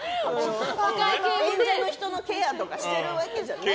演者の人のケアとかしてるわけじゃないから。